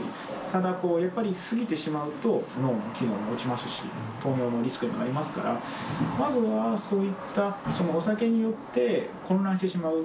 ただ、やっぱり過ぎてしまうと、脳の機能が落ちますし、糖尿病のリスクにもなりますから、まずはそういったお酒に酔って混乱してしまう、